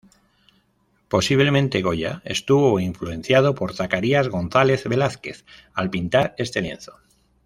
Posiblemente Goya estuvo influenciado por Zacarías González Velázquez al pintar este lienzo.